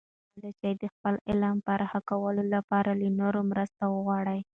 تاسې کولای سئ د خپل علم پراخه کولو لپاره له نورو مرستې وغواړئ.